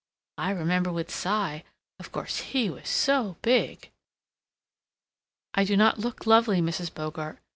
I remember with Cy, of course he was so big " "I do not look lovely, Mrs. Bogart.